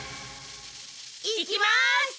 いきます！